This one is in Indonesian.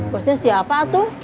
bosnya siapa tuh